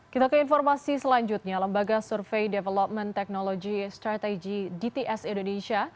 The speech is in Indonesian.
kita ke informasi selanjutnya lembaga survei development technology strategy dts indonesia